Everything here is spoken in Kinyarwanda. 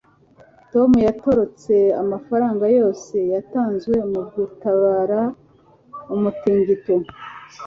tom yatorotse amafaranga yose yatanzwe mu gutabara umutingito